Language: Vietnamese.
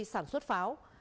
sản xuất pháo